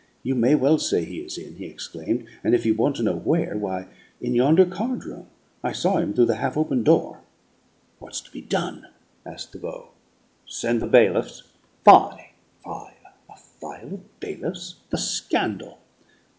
"You may well say he is in," he exclaimed "and if you want to know where, why, in yonder card room. I saw him through the half open door." "What's to be done?" asked the Beau. "Send the bailiffs " "Fie, fie! A file of bailiffs? The scandal!"